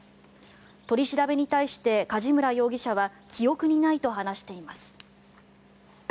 取り調べに対して梶村容疑者は記憶にないと話しています。